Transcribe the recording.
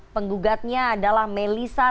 penggugatnya adalah melisa tarun nusantara